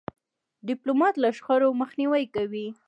ډيپلومات له شخړو مخنیوی کوي.